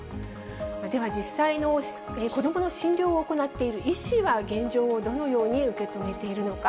では実際の、子どもの診療を行っている医師は現状をどのように受け止めているのか。